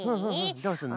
どうすんの？